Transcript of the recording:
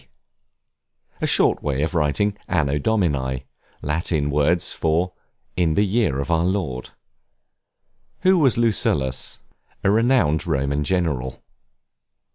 D.? A short way of writing Anno Domini, Latin words for in the year of our Lord. Who was Lucullus? A renowned Roman general.